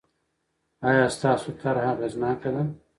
آیا ستاسو طرحه اغېزناکه ده؟